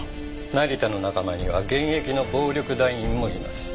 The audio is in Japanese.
成田の仲間には現役の暴力団員もいます。